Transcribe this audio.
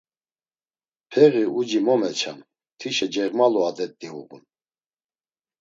Peği uci mo meçam, tişe ceğmalu adet̆i uğun.